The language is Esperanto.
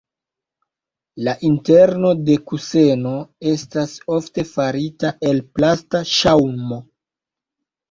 La interno de kuseno estas ofte farita el plasta ŝaŭmo.